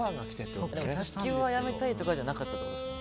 卓球をやめたいとかじゃなかったんですか？